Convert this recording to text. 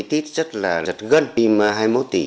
tít rất là giật gân phim hai mươi một tỷ